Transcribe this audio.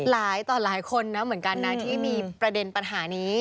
ต่อหลายคนนะเหมือนกันนะที่มีประเด็นปัญหานี้